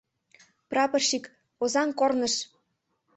Прапорщик, Озаҥ корныш!